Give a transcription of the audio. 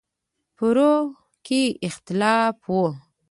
فروع کې اختلاف و.